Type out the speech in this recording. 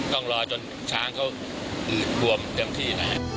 ต้องรอจนช้างเขาบวมเพิ่มที่